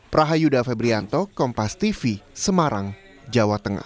prahayuda febrianto kompas tv semarang jawa tengah